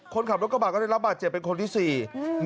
คนขับรถกระบะก็ได้รับบาดเจ็บเป็นคนที่สี่อืม